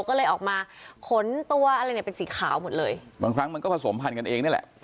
ก็เลยออกมาขนตัวอะไรเนี่ยเป็นสีขาวหมดเลยบางครั้งมันก็ผสมพันธุ์กันเองนี่แหละ